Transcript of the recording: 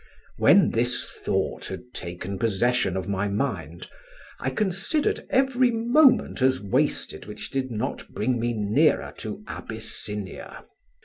"When this thought had taken possession of my mind, I considered every moment as wasted which did not bring me nearer to Abyssinia.